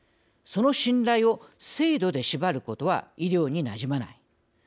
その信頼を制度で縛ることは医療になじまない」。